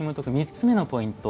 ３つ目のポイント。